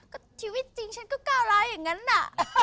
ก็ชีวิตจริงฉันก็ก้าวร้ายอย่างนั้นน่ะ